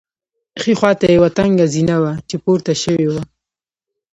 ښي خوا ته یوه تنګه زینه وه چې پورته شوې وه.